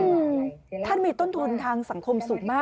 อืมท่านมีต้นทุนทางสังคมสูงมาก